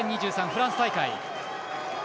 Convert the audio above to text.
フランス大会。